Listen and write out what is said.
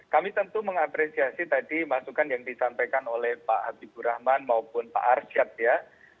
kami tentu mengapresiasi tadi masukan yang disampaikan oleh pak habibur rahman maupun pak arsyad ya